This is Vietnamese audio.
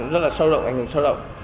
rất là sâu rộng ảnh hưởng sâu rộng